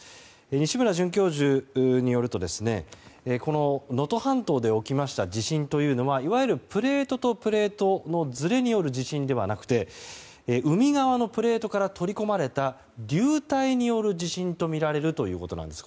西村准教授によると能登半島で起きた地震というのはいわゆるプレートとプレートのずれによる地震ではなくて海側のプレートから取り込まれた流体による地震とみられるということなんです。